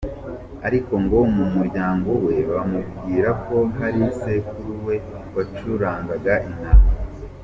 Ariko ngo mu muryango we bamubwira ko hari sekuru we wacurangaga inanga.